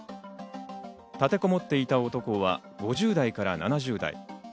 立てこもっていた男は５０代から７０代。